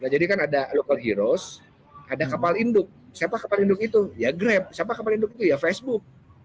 jadi kan ada local heroes ada kapal induk siapa kapal induk itu ya grab siapa kapal induk itu ya facebook